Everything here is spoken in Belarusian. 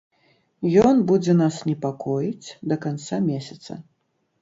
Ён будзе нас непакоіць да канца месяца.